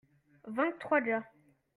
vingt trois gars.